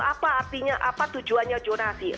apa artinya apa tujuannya jonasi